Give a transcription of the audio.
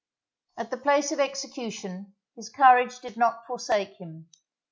At the place of execution his courage did not forsake him.